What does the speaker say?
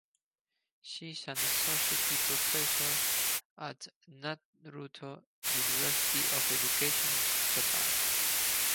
She is an associate professor at Naruto University of Education in Japan.